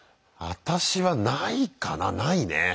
あたしはないかなないね。